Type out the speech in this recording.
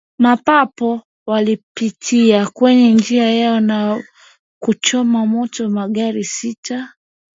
ambapo walipita kwenye njia yao na kuchoma moto magari sita